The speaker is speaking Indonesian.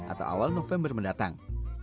atau awal november mendatang